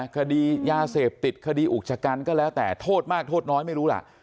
คดียาเสพติดคดีอุกชะกันก็แล้วแต่โทษมากโทษน้อยไม่รู้ล่ะ